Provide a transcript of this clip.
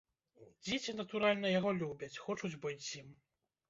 Дзеці, натуральна, яго любяць, хочуць быць з ім.